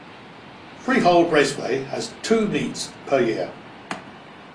Freehold Raceway has two meets per year.